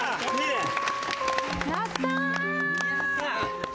やった。